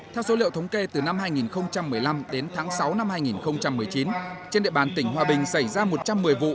theo số liệu thống kê từ năm hai nghìn một mươi năm đến tháng sáu năm hai nghìn một mươi chín trên địa bàn tỉnh hòa bình xảy ra một trăm một mươi vụ